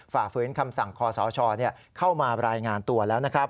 ฝ่าฝืนคำสั่งคอสชเข้ามารายงานตัวแล้วนะครับ